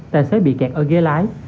tài xế bị kẹt ở ghế lái